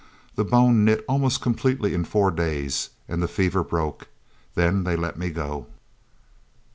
The bone knit almost completely in four days. And the fever broke. Then they let me go.